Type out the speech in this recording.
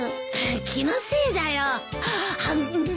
気のせいだよ。